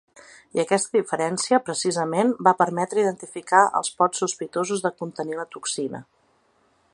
I aquesta diferència, precisament, va permetre identificar els pots sospitosos de contenir la toxina.